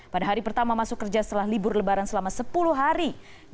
pada hari pertama masuk kerja setelah libur lebaran selama sepuluh hari